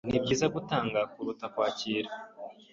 Nibyiza gutanga kuruta kwakira.